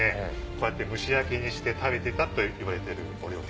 こうやって蒸し焼きにして食べてたといわれているお料理です。